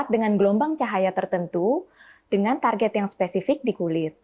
dengan target yang spesifik di kulit